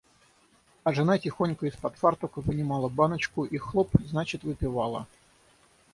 А жена тихонько из-под фартука вынимала баночку и хлоп, значит, выпивала.